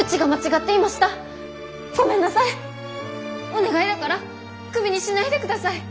お願いだからクビにしないでください！